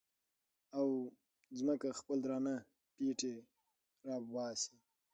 او ځمکه خپل درانه پېټي را وباسي